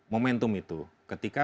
momentum itu ketika